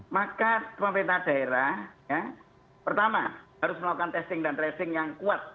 maka pemerintah daerah pertama harus melakukan testing dan tracing yang kuat